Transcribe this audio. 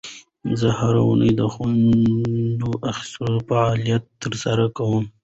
زه هره اونۍ د خوند اخیستلو فعالیت ترسره کوم.